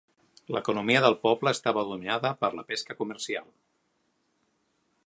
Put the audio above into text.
L'economia del poble estava dominada per la pesca comercial.